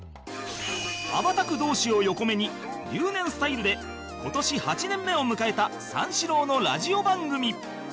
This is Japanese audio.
羽ばたく同志を横目に留年スタイルで今年８年目を迎えた三四郎のラジオ番組